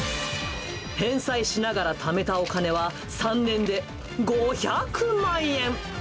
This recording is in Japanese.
返済しながらためたお金は３年で５００万円。